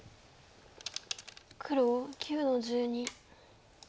黒９の十二。